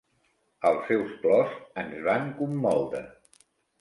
Els seus plors ens van commoure.